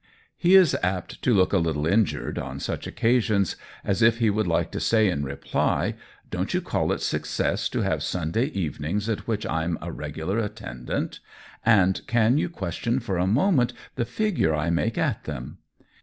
He is apt to look a little injured on such occasions, as if he would like to say, in reply :" Don't you call it success to have Sunday evenings at which I'm a regular attendant? And can r\ COLLABORATION 105 you question for a moment the figure I make at them